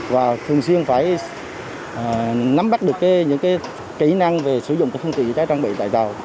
và thường xuyên phải nắm bắt được những kỹ năng về sử dụng phòng cháy chữa cháy trang bị tại tàu